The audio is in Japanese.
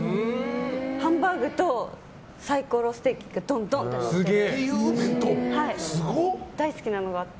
ハンバーグとサイコロステーキがドンドンってなってて。